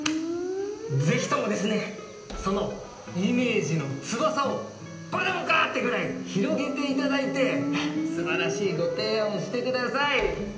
ぜひともですねそのイメージの翼をこれでもか！ってくらい広げていただいてすばらしいご提案をしてください！